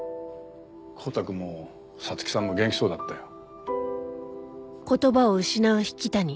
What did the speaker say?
光太くんも皐月さんも元気そうだったよ。